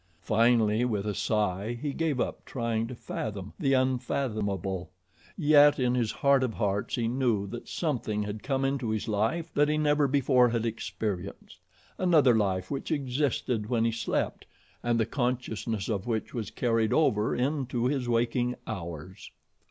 Finally, with a sigh he gave up trying to fathom the unfathomable, yet in his heart of hearts he knew that something had come into his life that he never before had experienced, another life which existed when he slept and the consciousness of which was carried over into his waking hours.